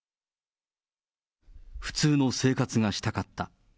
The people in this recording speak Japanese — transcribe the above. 普通の生活がしたかった。